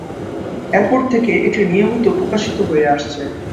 এরপর থেকে এটি নিয়মিত প্রকাশিত হয়ে আসছে।